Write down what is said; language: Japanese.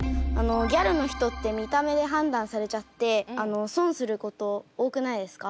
ギャルの人って見た目で判断されちゃって損すること多くないですか？